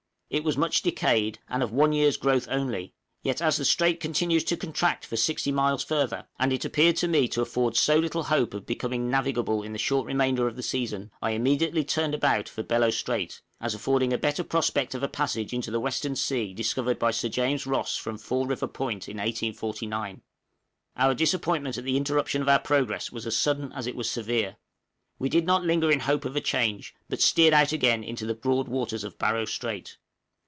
It was much decayed, and of one year's growth only; yet as the strait continues to contract for 60 miles further, and it appeared to me to afford so little hope of becoming navigable in the short remainder of the season, I immediately turned about for Bellot Strait, as affording a better prospect of a passage into the western sea discovered by Sir James Ross from Four River Point in 1849. Our disappointment at the interruption of our progress was as sudden as it was severe. We did not linger in hope of a change, but steered out again into the broad waters of Barrow Strait.